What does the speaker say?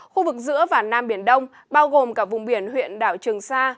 khu vực giữa và nam biển đông bao gồm cả vùng biển huyện đảo trường sa